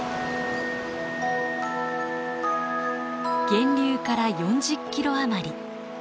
源流から４０キロ余り。